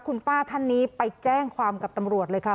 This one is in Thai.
คุณป้าท่านนี้ไปแจ้งความกับตำรวจเลยค่ะ